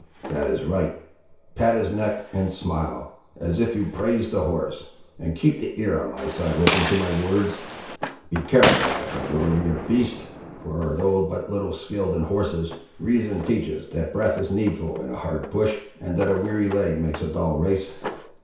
That is right; pat his neck and smile, as if you praised the horse, and keep the ear on my side open to my words. Be careful not to worry your beast, for though but little skilled in horses, reason teaches that breath is needful in a hard push, and that a weary leg makes a dull race.